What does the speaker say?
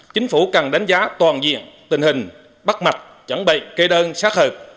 chính phủ cần đánh giá toàn diện tình hình bắt mặt chuẩn bị kê đơn xác hợp